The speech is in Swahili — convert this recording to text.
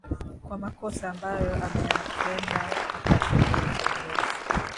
kwa makosa ambayo ameyatenda wakati akiwa kiongozi